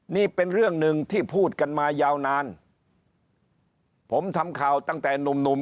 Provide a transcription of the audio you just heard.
นี่เป็นเรื่องหนึ่งที่พูดกันมายาวนานผมทำข่าวตั้งแต่หนุ่มหนุ่ม